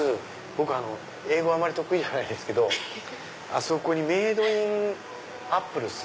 僕英語あまり得意じゃないんですけどあそこにメイドインアップルス？